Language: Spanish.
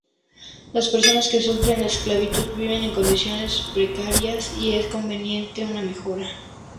Las personas que sufren esclavitud viven en condiciones precarias y es conveniente una mejora.